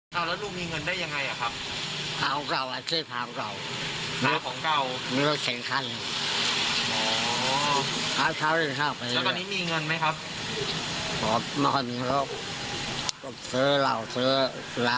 แล้วลุงเป็นอะไรไปเข้าโรงพยาบาลมาเป็นอะไร